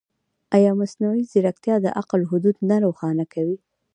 ایا مصنوعي ځیرکتیا د عقل حدود نه روښانه کوي؟